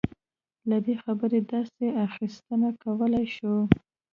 له دې خبرو داسې اخیستنه کولای شو.